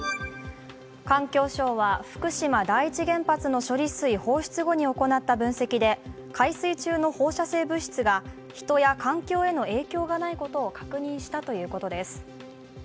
環境省は福島第一原発の処理水放出後に行った分析で海水中の放射性物質が人や環境への影響がないことを確認したということです。